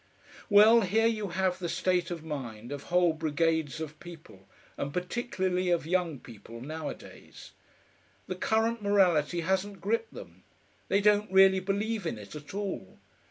Well, here you have the state of mind of whole brigades of people, and particularly of young people, nowadays. The current morality hasn't gripped them; they don't really believe in it at all.